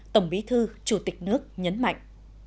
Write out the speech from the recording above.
tổng bí thư chủ tịch nước nhấn mạnh